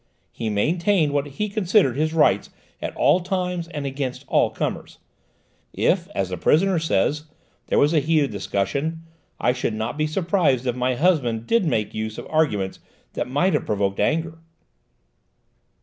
He maintained what he considered his rights at all times and against all comers; if, as the prisoner says, there was a heated discussion, I should not be surprised if my husband did make use of arguments that might have provoked anger."